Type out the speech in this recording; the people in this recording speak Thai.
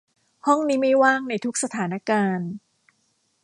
ห้องนี้ไม่ว่างในทุกสถานการณ์